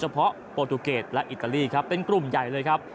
ปอล์ตูเกรตและอิตาลีเป็นกลุ่มใหญ่เลยครับ